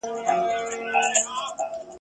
ماشومانو په ځیر ځیر ورته کتله ..